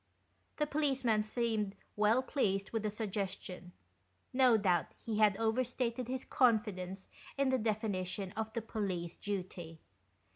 The policeman seemed well pleased with the suggestion. No doubt he had overstated his confidence in the definition of the " Police Duty."